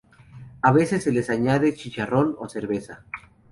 A veces se les añade chicharrón o cerveza.